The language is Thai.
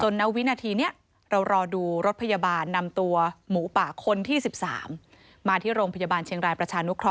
ณวินาทีนี้เรารอดูรถพยาบาลนำตัวหมูป่าคนที่๑๓มาที่โรงพยาบาลเชียงรายประชานุเคราะ